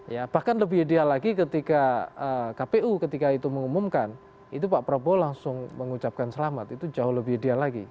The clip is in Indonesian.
ya bahkan lebih ideal lagi ketika kpu ketika itu mengumumkan itu pak prabowo langsung mengucapkan selamat itu jauh lebih ideal lagi